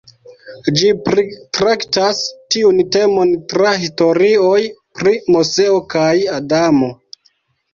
Ĝi pritraktas tiun temon tra historioj pri Moseo kaj Adamo.